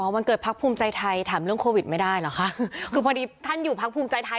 วันเกิดพักภูมิใจไทยถามเรื่องโควิดไม่ได้เหรอคะคือพอดีท่านอยู่พักภูมิใจไทย